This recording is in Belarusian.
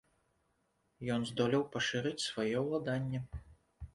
Ён здолеў пашырыць свае ўладанні.